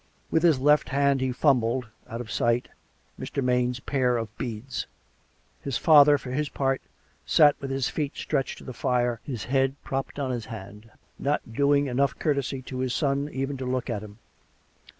With his left hand he fumbled, out of sight, Mr. Maine's pair of beads. His father, for his part, sat with his feet stretched to the fire, his head propped on his hand, not doing enough courtesy to his son even to look at him.